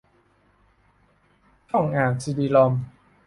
ช่องอ่านซีดีรอม